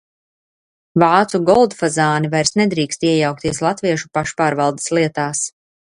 "Vācu "goldfazāni" vairs nedrīkst iejaukties latviešu pašpārvaldes lietās."